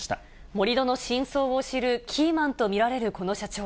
盛り土の真相を知るキーマンと見られるこの社長。